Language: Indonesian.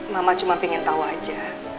mama cuma ingin tahu saja